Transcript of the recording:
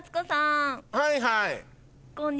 はいはい。